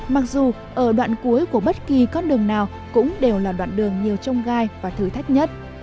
mặc dù ở đoạn cuối của bất kỳ con đường nào cũng đều là đoạn đường nhiều trông gai và thử thách nhất